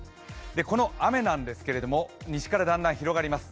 この雨なんですけれども、西からだんだん広がります。